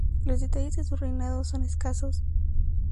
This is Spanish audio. Los detalles de su reinado son escasos.